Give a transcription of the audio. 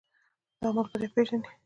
دا ملګری پيژنې؟